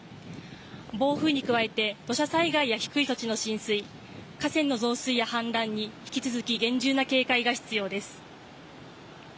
暴風に加えて土砂災害や低い土地の浸水河川の増水や氾濫に引き続き、厳重な警戒が必要です。